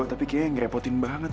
tapi kayaknya ngerepotin banget